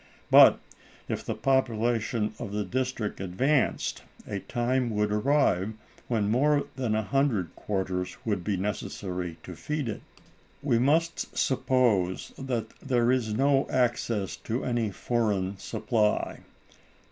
But if the population of the district advanced, a time would arrive when more than a hundred quarters would be necessary to feed it. We must suppose that there is no access to any foreign supply.